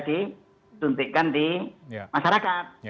disuntikkan di masyarakat